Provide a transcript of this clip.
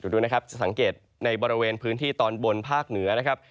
ดูนะครับจะสังเกตในบริเวณพื้นที่ตอนบนภาคเหนือนะครับ